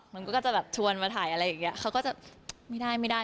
มันก็จะแบบชวนมาถ่ายอะไรอย่างเงี้ย